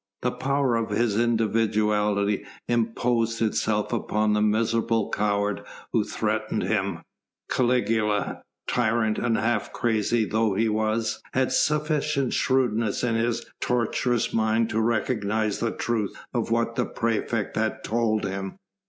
The power of his individuality imposed itself upon the miserable coward who threatened him. Caligula tyrant and half crazy though he was had sufficient shrewdness in his tortuous brain to recognise the truth of what the praefect had told him.